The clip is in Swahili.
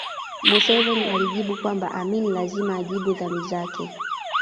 Museveni alijibu kwamba Amin lazima ajibu dhambi zake